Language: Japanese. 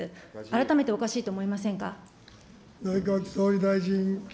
改めておかしいと思いませんか。